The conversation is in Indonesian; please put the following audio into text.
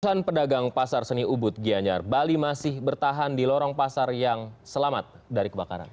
ratusan pedagang pasar seni ubud gianyar bali masih bertahan di lorong pasar yang selamat dari kebakaran